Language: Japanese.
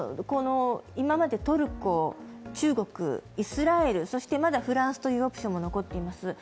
今までトルコ、中国、イスラエルまだフランスというオプションも残っています